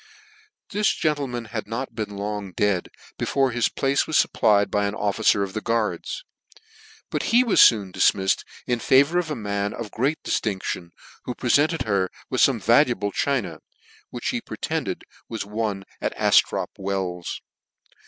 This gentleman had not been long dead before his place was fupplied by an officer of the guards ; but he was foon difmified in favour of a man of great diilinclion, who prefented her with fome valuable china, which me pretended was won at Aftrop Wells.